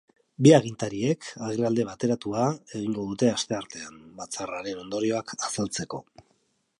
Bi agintariek agerraldi bateratua egingo dute asteartean, batzarraren ondorioak azaltzeko.